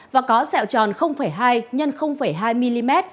và có sẹo tròn hai x hai mm